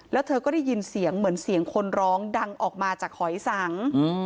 แล้วเธอก็ได้ยินเสียงเหมือนเสียงคนร้องดังออกมาจากหอยสัง